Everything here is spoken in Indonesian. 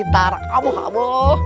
tarak amuh amuh